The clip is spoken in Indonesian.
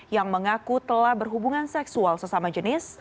yang mengaku telah berhubungan seksual sesama jenis